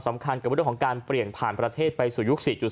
สำคัญกับเรื่องของการเปลี่ยนผ่านประเทศไปสู่ยุค๔๐